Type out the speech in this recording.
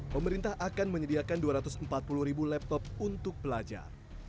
pemerintah akan menyediakan dua ratus empat puluh ribu laptop untuk pelajar